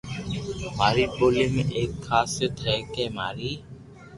ماري ٻولي ۾ ايڪ خاصيت ھي ڪي ماري